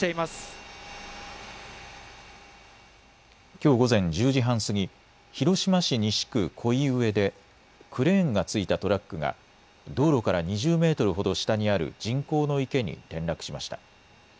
きょう午前１０時半過ぎ広島市西区己斐上でクレーンが付いたトラックが道路から２０メートルほど下にある人工の池に転落しました。